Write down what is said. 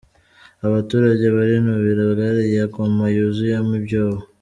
Abaturage barinubira gare ya Ngoma yuzuyemo ibyobo